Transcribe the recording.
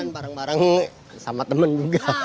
barang barang sama temen juga